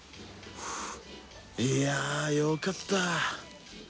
いやよかった！